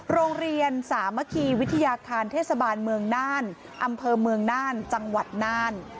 โรงเรียนสามัคคีวิทยาคารเทศบาลเมืองน่านอำเภอเมืองน่านจังหวัดน่าน